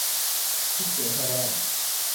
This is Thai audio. ลูกเสือชาวบ้าน